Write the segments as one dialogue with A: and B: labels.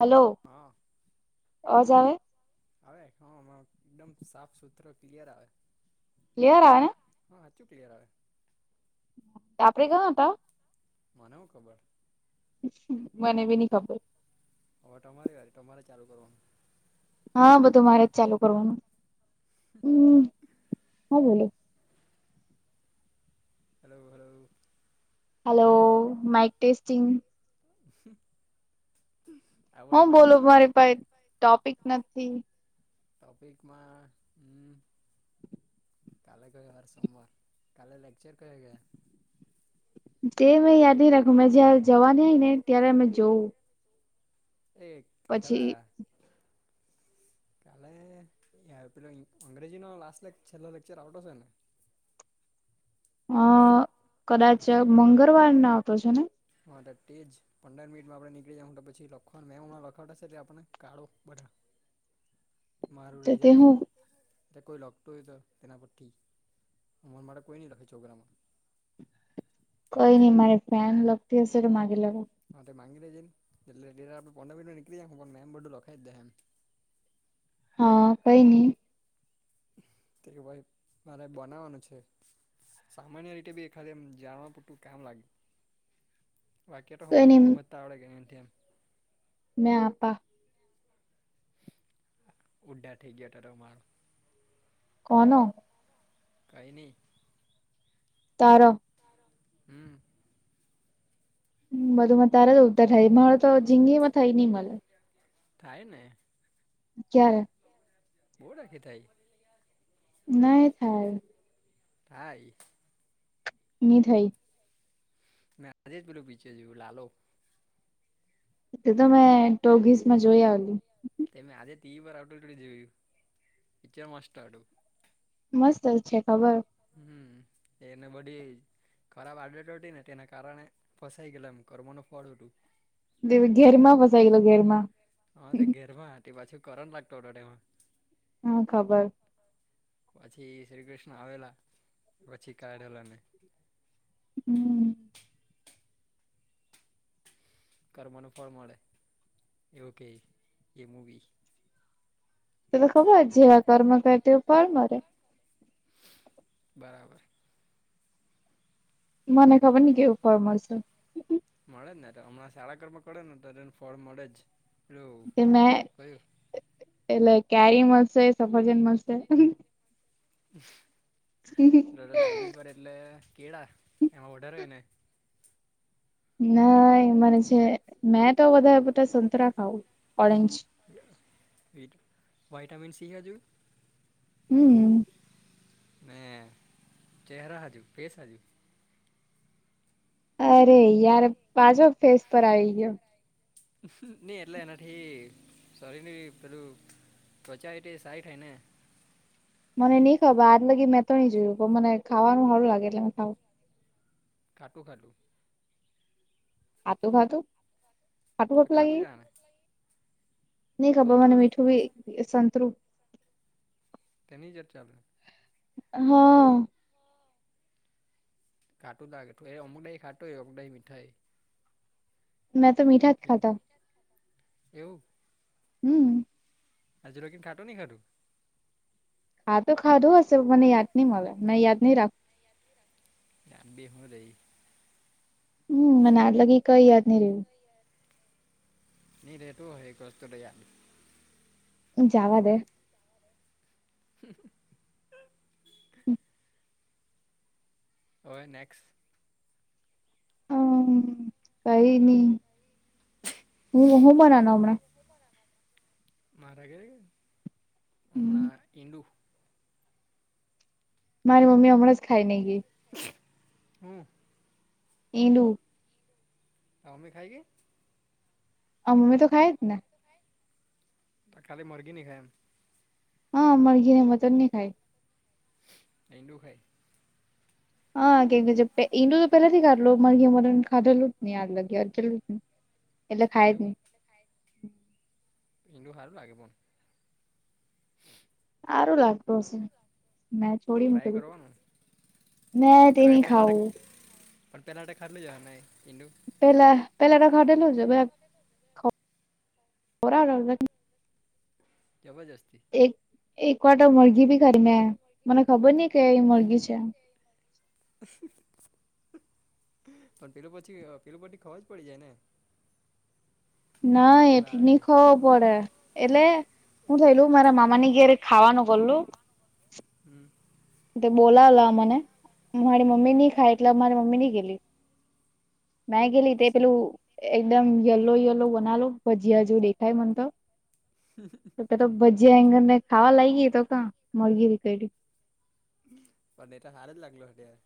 A: Hello
B: હા
A: આવજ આવેવે.
B: આવે હ એકદમ સાફ સુથરો ક્લિયર આવે.
A: ક્લયર આ ને.
B: હા હચું ક્લયાર આવે.
A: આપડે કં હતા.
B: મનેવું ખબર.
A: મને બ ન ખબર.
B: હવે તમારે વારે તમારે ચાલુ કરવાનું.
A: હા બધું મારે જ ચાલુ કરવાનું હ હા બોલો.
B: Hello hello.
A: Hello mike testing.
B: [inaudible]
A: હું બોલો
B: માઇનસમાં
A: મારી પાસે ટોપિક નથી.
B: ટોપિકમાં હ. કાલે કઈ વાર સોમવાર કાલે લેકચર ક ગ?
A: તે મેં યાદ નહી રાખ્યું મે જયારે જવાની આય ને ત્યારે અમે જોવું.
B: એક
A: પછી
B: ખરા. કાલે પેલો અંગ્રેજીનો લાસ્ટ લે છેલ્લો લેક્ચર આવતો છે ને?
A: અ
B: તો
A: કદાચ
B: તેમ
A: મંગળવારને આવતો છે ને.
B: હા તો તે જ પંદર મિનિટમાં આપણે નીકળી જ તો પછી લખવા મેમાં લખાડાશે તે આપણે કાળો બધ. મારું
A: તો
B: રેજ.
A: તે હું
B: એટલે કોઈ લખતું હોય તો તેના પર થી અમર માટે કોઈ નહીં લખે છોકરામાં
A: કઈ નઈ મારે ફેન લગતી હશે તો માગી લેવા.
B: હા તે ગી લેજેને એટ આપડ પંદર મિનટો નીકળીાય હું પણ મે એમ બધું લખી દયા એમ.
A: હા પ ન.
B: ત કે ભાઈ મારે બનાવવાનું છે. સામાન્ય રીતે બી એખાદ જાણવા પૂટું કામ લાગ્યું. બાકી તો
A: કઈ
B: સમય
A: નઈ
B: સમય તળ લાગે એમ થમ.
A: મે આપા.
B: ઉડા થઇ ગયા ત માળ.
A: કોન
B: કની.
A: તાર.
B: હમ.
A: હમ બધુંમાં તારા ઉલતર થાય મારે તો જઝીંગી માં થાય નહિ મળ.
B: થાય ને.
A: ક્યારે?
B: બહ રા રાખી થાય.
A: નહીં થાય.
B: હાઈ.
A: નિ થઈ.
B: મે ઓલું પીચર જોયું લાલો.
A: એ તો મેં ટોગીસ માં જોઈ આવલી.
B: તમે આજે તી વાર આટલડી જોયું પિક્ચર મસ્ત આું.
A: મસ્ત છે ખબર.
B: હમ એને બડી. ખરાબ આડત હતી ને તેના કારણે ફસાઈ ગયલા એમ કર્મોનું ફળ હતું.
A: દવી ઘેરમાં ફસાઈ ગેલો ઘેર માં.
B: હા તે ઘેરમાં હતી પાછી કરો [unintelligible]
A: શું ખબર.
B: પછી શ્રી કૃષ્ણ આવેલા પછી કાઢેલા ને.
A: હમ.
B: કરવાનું ફળ મળે. એવું કે એ મૂવી.
A: તમે ખબર જેવા કર્મ કર તેવા ફડ મડે.
B: બરાબર.
A: મને ખબર નહીં કેવુ ફળ મળશે.
B: મળે જ ને હમણાં સારા કમ ને તો એને ફડ મળે જ. પેલું
A: કે મે એટલે [unintelligible] મડશે. સફરજન મળશે.
B: કયું ડાયટિંગ પર એટલે કેળા એમાં ઓર્ડર હોય ને.
A: ના મને છે મેં તો વધારે પડતા સંતરા ખાવું ઓરેન્જ.
B: વટ વાઇટામિન સી જેવું.
A: હમ!
B: મે ચેરા હજુ પૈસા હજુ.
A: અરે યાર પાછો ફેસ પર આવી ગયો.
B: નઈ એટલે એનાથી સોરી નહીં પેલું. ત્વચા એટ સાઈઠ હે ને.
A: મને નઈ ખબર આજ લગી મેં તોણી જોયું પણ મને ખાવાનું સારું લાગે એટલે મે ખાવું.
B: ખાટું ખાટું.
A: ખાતું ખાતું. ખાટું ખાટું લાગી
B: જ આવે ને
A: નઈ ખબર મને
B: સંતરું
A: મીઠું બી સંતરું.
B: [unintelligible]
A: હા.
B: ખાટું દા કે એઠું એ અમુદાઈ ખાટું એ અમુદ મીઠાઈ.
A: મેં તો મીઠા જ ખાતા.
B: એવું.
A: હમ.
B: હજુ લગી ખાટું નઈ ખાધું.
A: હા તો ખાધું હશે મને યાદ નહી મળે મને યાદ નહી રાખું.
B: ગામ બેહું રહી.
A: હમ મને આટલા લગી કઈ યાદ નહી રહ્યું.
B: [unintelligible]
A: હ જાવા દે.
B: [unintelligible] હવે નેક્સ્ટ.
A: હમ! કઈ નહી હું હું બનાનું હમણાં.
B: મારા ઘરે
A: હમ
B: હમણાં ઈંડુ.
A: મારી મમ્મી હમણાં જ ખાઈ ને ગઈ.
B: હમ.
A: ઈંડુ.
B: હા! અમે ખાઈએ.
A: અમે તો ખાય જ ને.
B: તો કાલી મરગી ની ખાય એમ.
A: હા મરઘી ને મટન નહી ખાય.
B: ઈંડુ ખાઈ
A: હા કેમ કે તો પે ઈંડુ તો પેલાથી ખાધલુ મરઘી મટન ખાધેલું જ નહી હ આ લગી જ ન.
B: એવું ઈંડુ હારું લાગે પણ.
A: સારું લાગતું હશે મેચ થોડી મક
B: ટ્રાય કરવાનું
A: મે તે નહી ખાઉ.
B: પેલાટે ખાડલી જવા હને ઈંડુ.
A: પહેલા પહેલા તો ખાધેલું નજવે ખ ખોરાક
B: જબરજસ્તી
A: એક એક વાટો મરઘી ભી ખાધી મે મને ખબર નહ કે અય મરઘી છે.
B: [unintelligible] પણ પેલું પછી પેલું પ્ટી ખવા જ પડી જાય છે ને. એના
A: ના
B: જે પેલા
A: એટલ
B: આવે તે
A: નહી ખવો પડે. એટલે હું થયલું મારા મામા ની ઘેરે ખાવાનું ભરલું.
B: હમ.
A: તે બોલાવલા મને મારી મમ્મી ની ખાય એટલે મારી મમ્મી ની ગેલી. મેં ગેલી તે
B: પછી
A: પેલું એકદમ યલો યલો બનાલો ભજીયા જો દેખાય મન તો
B: [unintelligible]
A: તો તો ભજીયા આંગર ને ખાવા લાગ ગઈ તો મરઘી વેતાઈ ગી.
B: પણ એટ હાર જ લાગલો હટાર.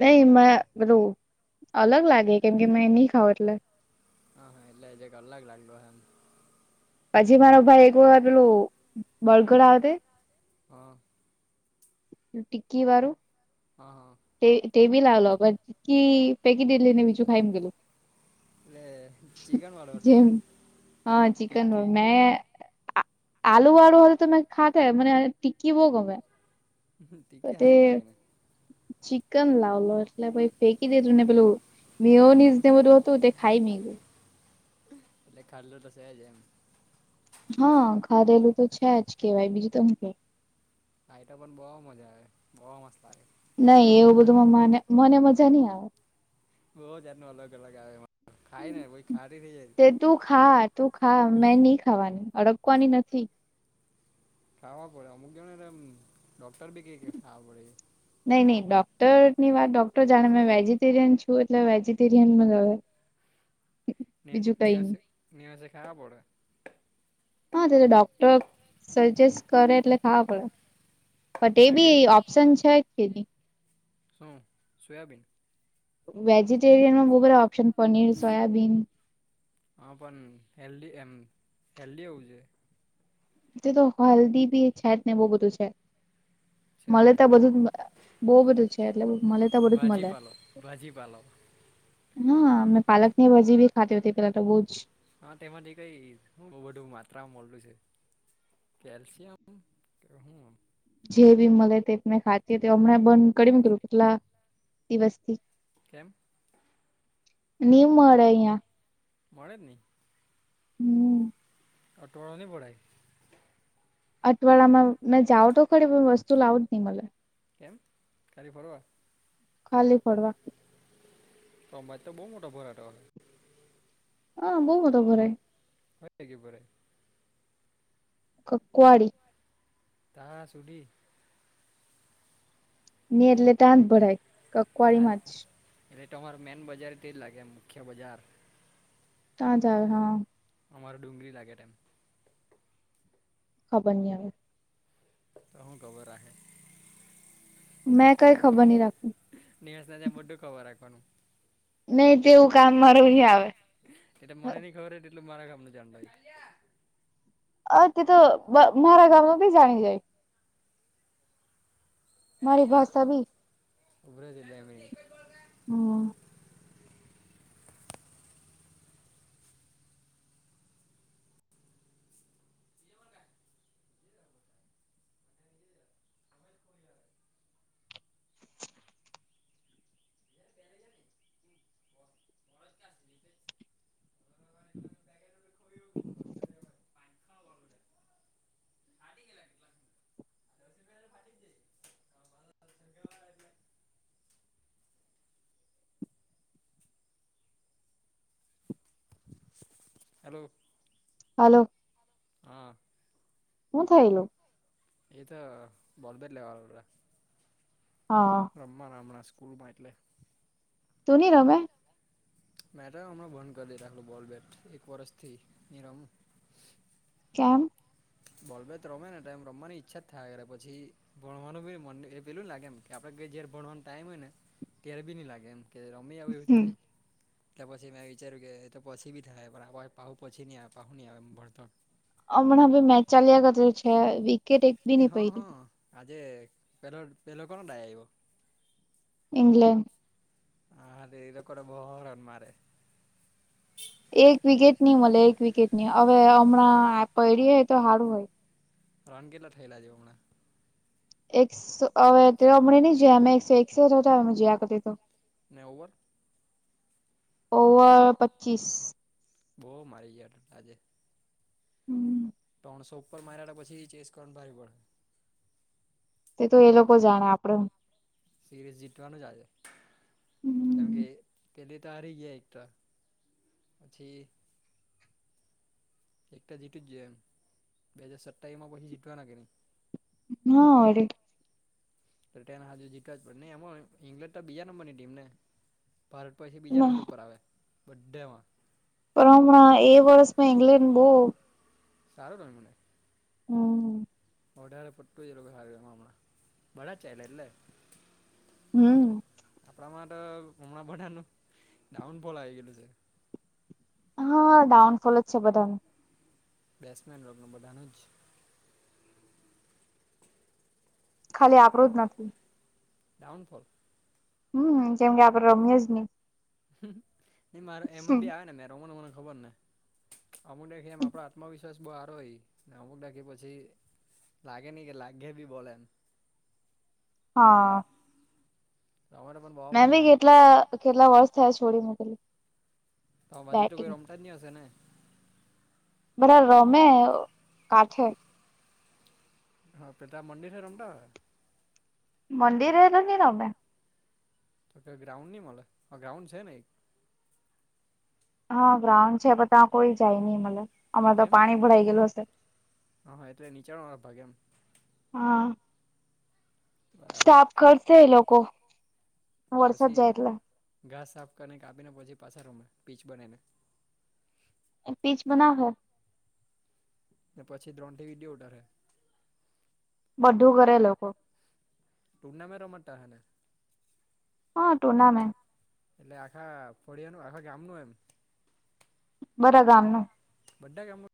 A: નહી મા પેલું અલગ લાગે કેમ કે મે નહી ખાવ એટલે.
B: હા હા એટલે જે એક અલગ લાગેલો હ એમ.
A: પછી મારો ભાઈ એક વા પેલુ બળગર આવતે
B: હા.
A: ટિકકી વારું
B: હા હા.
A: તે તે બી લાવલો બકી પૈકી દેલી ને બીજું ખાઈને ગેલું.
B: એલે ચિકન વાળો હતો
A: જેમ
B: એમ
A: હા ચિકન રોલ
B: ટિક્કી
A: મેં આ આલુ વાળુ હ તમેને ખાતે મ ટીકકી બો ગમે.
B: હ
A: તો
B: ટીકકી
A: તે
B: હાઈ લાગે ને.
A: ચિકન લાવલો એટલે ભાઈ ફેંકી દેધું ને પેલું મેયોનીઝને તે બધું હો હતું તે ખાઈ મી
B: એટલે ખાલું તો છેજ એમ.
A: હા ખાધેલું તો છે જ કેવાય બીજું તો હું કેવું.
B: ખાઈતો પણ બહ મજા આવે બહ મસ્ત લાગે.
A: નહી
B: અલગ
A: એવું બધુંને મને મને મજા નઈ આવે.
B: બહુ જાતનું અલગ અલગ આવે ખાય ને બ ખાડી થઇ જાય.
A: તે તું ખા તું ખા મેં નહી ખાવાની અડકવાની નથી.
B: ખાવા પડે અમુક કહ નેમ ડોક્ટર બી કેયકે ખાવા પડે.
A: નહી નહી ડોક્ટર ની વાત ડોક્ટર જાણે મેં વેજીિટેરિયન છું એટલે વેજીિટેરિયન હવે
B: નિય
A: બીજું કઈ નહી
B: નિયસી નિયસે ખાવા પડે.
A: હા તો ડોક્ટર સજેસ્ટ કરે એટલે ખાવા પડે. બટ એ
B: એના ઘેર
A: બી ઓપ્શન છે કે નહી.
B: શું સોયાબીન?
A: વેજીિટેરિયન માં બહુ બધા ઓપ્શન પનીર સોયાબીન
B: હા પણ હેલ્ધી એમ હેલ્દી હોવું જોઈએ.
A: તે તો હલ્દી બી છે ને બહુ બધું છે.
B: [inaudible]
A: મલે તો
B: એટલે
A: બધું જ બહુ બધું છે એટલે મલે તો બધું જ મલે.
B: ભાજીપાલો ભાજીપાલો
A: હા મે પાલક ની ભાજી ભી ખાતી હો હતી પેલા તો બહું જ.
B: હા તેમાંથી કઈ બહુ બધું માત્રા મળલું છે. કેલ્શિયમ કે હુંમ.
A: જે બી મળે તે મેને ખાતી તો હમણાં બંધ કરી મકું કેટલા દિવસથી,
B: કેમ
A: નમ મળે અયા
B: મળેર નહી.
A: હમ.
B: અટોવાળો ન બોડાઈ.
A: અઠવાડામાં મેં જાાવ તો ખરી પણ વસ્તુ લાવ જ નહી મ
B: કેમ ખાલી ફરો.
A: ખાલી પડવા.
B: સમમાજ તો બહુ મોટા ભરા હતો
A: હા બહ મત ભરાય
B: હોય લે ભરાય.
A: ક કોડી.
B: તા સુડી
A: ને એટલે તાંધ ભરાય કકવાળી
B: તા
A: માં જ
B: એટલે તો અમારે મેન બજાર તે જ લાગે મુખ્ય બજાર
A: તા જાય હા.
B: અમારો ડુંગળી લાગે તેમાઈમ
A: ખબર નહીં આવે
B: તો હું ખબર રાહે.
A: મેં કઈ ખબર નહી રાખું.
B: ન્યસ ત બધું ખબર રાખવાનું.
A: નહી તેવું કામ મારું આવે.
B: એટલે મને નઈ ખબર હ એટલલે મારા કામ ન જાંડ
A: અ તે તો મારા ગામમાં બી જાણી જાય મારી ભષા બી.
B: ઉભરા બે મિલિટ.
A: હમ.
B: [unintelligible] હલો.
A: હલો.
B: હા.
A: હું થઈલું
B: એ તો બોલબર લેવારા
A: હા.
B: રમવા નામણાં સ્કૂલમાં એટલે
A: તું નહી રમે.
B: મેડમ અ ભંધ કરી રાખલો બોલ બ બેટ એક વરષથી નિરમુ.
A: કેમ.
B: બોલભાઈ તો રમે નેમ રમવાની ઈચ્છા જ થાય પછી ભણવાનું મ એ પેલું લાગે એમ કે આપણે કઈ ભણવાનો ટાઈમ હોય ને ત્યારે બી નહી લાગે એમ કે રમી આવ એવું જ
A: હમ
B: થાય. એટલે પછી મેં વિચાર્યું કે એ તો પછી થાય પણ આપ પહુ પછી નહી આવે પાહું નહીં આવે ભણતર
A: હમણાં હ મે ચાાલ્યાગત છે. વિકેટ એક બી
B: એ
A: નહી
B: હ હ
A: પડી
B: આજે પેહલો પેહલો કોણ ડાય આઈવો?
A: ઈંગ્લેન્ડ.
B: હારે એ લોકો બોહો રન મારે.
A: એક વિકેટ નહી મળે એક વિકેટ નની હવે હમણાં પડી હ તો સારું હોય.
B: રનગેલા થયલા જેવમણા.
A: એક હવે તે હમણે નહી જયા અમે એકસો એકસઠ હતા અમે જયા કરતી તો
B: ને વોય.
A: ઓવર પચીસ
B: બહુ મારી ગયા આજે.
A: હમ્મ.
B: ટોણસો ઉપર માર્યા તો પછી ચેસ કરનું ભારી પડે.
A: એ તો એલોકો જાણે આપડે
B: સિરીઝ જીતવાનું જ આજે, કેમ કે પેલી તો હારી ગ્યા ઈજ તો પછી એક તો જીતી ગ્યા એમ બે હજાર સત્તાવીમાં પછી જીટવાના કે ની?
A: ન વરી.
B: બ્રિટેન હાજુ જીતવા જ પડે ને એમાં ઈંગ્લેડ તો બીજા નંબરની ટીમ ને? ભારત પછી બીજા નંબર પર આવે બધેમાં.
A: પણ હમણાં એ વરષમાં ઇંગ્લેન્ડ બઉ
B: સારો રઈમું ને.
A: હા.
B: વઢારે પટ્ટું જ એ લોકોએ હારુ રઈમું હમણાં બડા ચાલા એટલે.
A: હમ્મ.
B: આપણામાં તો હમણાં બધાનું ડાઉન ફોલ આવી ગયેલું છે.
A: હા ડાઉન ફોલ જ છે બધાનું.
B: બેટ્સમેન લોગનું બધાનું જ.
A: ખાલી આપણુ જ નથી.
B: ડાઉનફોલ?
A: હમ્મ કેમ કે આપડે રમીયેજ ની.
B: ને મારે એમાં બી આવે ને મે રમુને મને ખબર ને. અમુંકને એમ આપણા આત્મવિશ્ વાસ બો હારો હોઈ ને અમુક નાખી પછી લાગે નહીં કે લાગહે બી બોલે એમ.
A: હા.
B: તમારે પણ બો
A: મેં ભી કેટલા કેટલા વર્ષ થયા છોડી મુકેલી.
B: તમાં બાજુ તો કોઈ રમટાની હશે ને?
A: બધા રમે કાઠે.
B: હા પિતા મંદિરે રમતા?
A: મંદિર એ નહી રમે.
B: તો કે ગ્રાઉન્ડ નહી મલે હ ગ્રાઉન્ડ છે ને એક?
A: હા ગ્રાઉન્ડ છે પણ તા કોઈ જાય ની મલે આમળા તો
B: કેમ
A: પાણી ભરાઈ ગયલું હશે.
B: હા હા એટલે નીચાણ વાણે ભાગે એમ?
A: હા.
B: બરાબર
A: સાફ કરશે એ લોકો, વરસાદ
B: પછી
A: જાય એટલે.
B: ઘાસ સાફ કરીને કાપીને પછી પાછા રમે પીચ બનાઇને.
A: એક પીચ બનાવહે.
B: ને પછી દ્રોણથી વીડિયો ઉતાર હે.
A: બધું કરે એ લોકો.
B: ટૂર્નામેન્ટ રમાડતા અહે ને?
A: હા ટુર્નામેન્ટ.
B: એટલે આખા ફડ્યાનું, આખા ગામનું એમ?
A: બધા ગામનો.
B: બધા એ રમો?